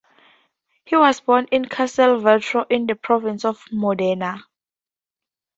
He was born in Castelvetro, in the province of Modena.